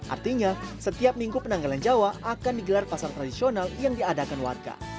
artinya setiap minggu penanggalan jawa akan digelar pasar tradisional yang diadakan warga